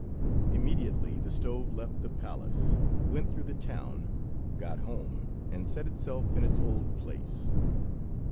Immediately the stove left the palace, went through the town, got home, and set itself in its old place.